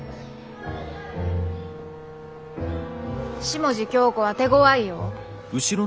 下地響子は手ごわいよ。